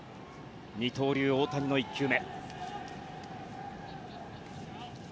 二刀流、大谷の１球目。